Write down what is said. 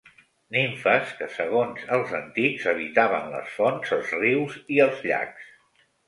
Nimfes que, segons els antics, habitaven les fonts, els rius i els llacs.